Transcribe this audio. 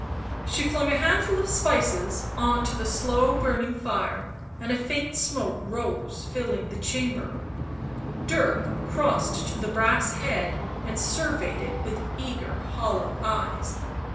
She flung a handful of spices on to the slow burning fire, and a faint smoke rose, filling the chamber. Dirk crossed to the brass head and surveyed it with eager hollow eyes.